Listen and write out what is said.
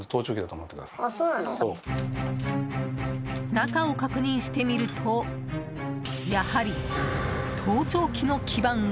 中身を確認してみるとやはり盗聴器の基盤が。